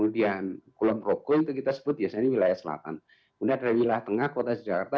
dan kulon progo itu kita sebut biasanya wilayah selatan punya dari wilayah tengah kota jakarta